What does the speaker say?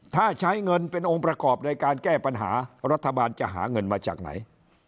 ถ้าใช้เงินเป็นองค์ประกอบในการแก้ปัญหารัฐบาลจะหาเงินมาจากไหน